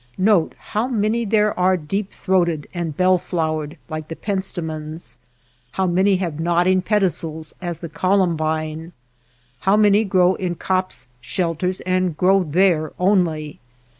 Note how many there are deep throated and bell flowered like the pentstemons, how many have nodding pedicels as the colum bine, how many grow in copse shelters and grow there only.